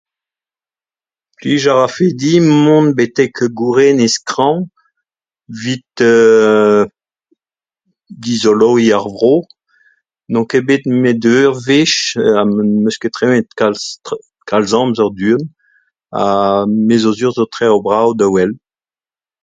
Plij a rafe din mont betek gourenez Kraozon 'vit [eu] dizoloiñ ar vro. N'on ket bet 'met ur wech ha m'eus ket tremenet kalz kalz amzer du-hont ha me zo sur zo traoù brav da welet.